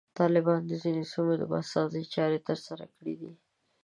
طالبانو د ځینو سیمو د بازسازي چارې ترسره کړي دي.